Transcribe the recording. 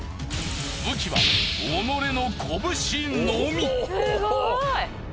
武器は己のこぶしのみ！